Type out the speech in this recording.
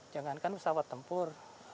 jangankan pesawat tempur